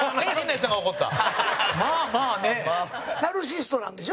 さんま：ナルシストなんでしょ？